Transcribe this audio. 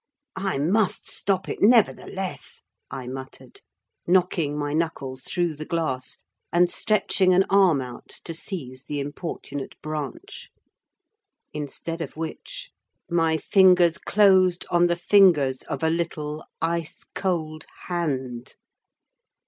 "I must stop it, nevertheless!" I muttered, knocking my knuckles through the glass, and stretching an arm out to seize the importunate branch; instead of which, my fingers closed on the fingers of a little, ice cold hand!